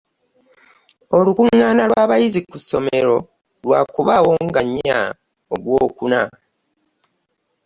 Olukungana lwa bayizi ku ssomero lwa kubaawo nga nnya ogwokuna.